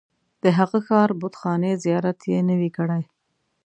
د هغه ښار بتخانې زیارت یې نه وي کړی.